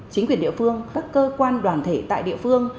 tại địa phương các cơ quan đoàn thể tại địa phương